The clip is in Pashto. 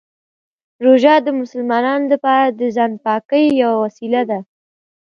روژه د مسلمانانو لپاره د ځان پاکۍ یوه وسیله ده.